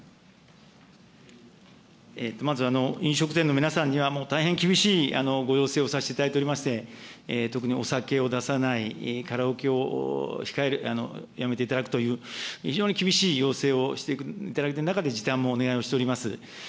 まず飲食店の皆さんには、もう大変厳しいご要請をさせていただいておりまして、特にお酒を出さない、カラオケを控える、やめていただくという、非常に厳しい要請をしていただいている中で、時短もお願いをしております。